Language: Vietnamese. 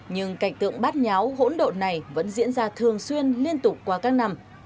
nhưng cảnh tượng bát nháo hỗn độn này vẫn diễn ra thường xuyên liên tục qua các năm